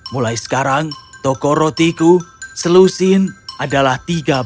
mulai sekarang toko rotiku selusin adalah tiga puluh